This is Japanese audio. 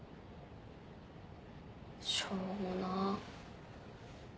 しょうもな。